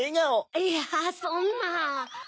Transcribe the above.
いやそんな。